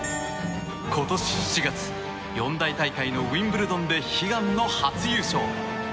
今年７月、四大大会のウィンブルドンで悲願の初優勝。